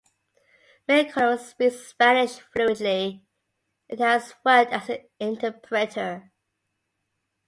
McCullum speaks Spanish fluently and has worked as an interpreter.